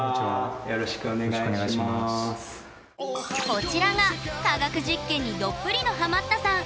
こちらが科学実験にどっぷりのハマったさん